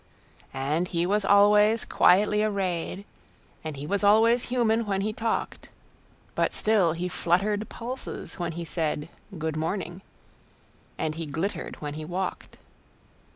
And he was always quietly arrayed, And he was always human when he talked; But still he fluttered pulses when he said,"Good morning," and he glittered when he walked.